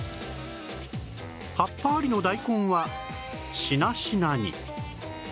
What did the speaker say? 葉っぱありの大根はしなしなに